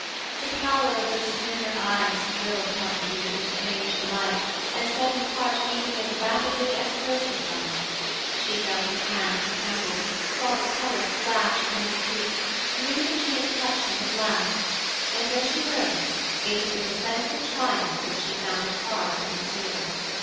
The power of those tender eyes thrilled Coventry with a strange delight, and set his heart beating as rapidly as hers had done. She felt his hands tremble, saw the color flash into his cheek, knew that she had touched him at last, and when she rose it was with a sense of triumph which she found it hard to conceal.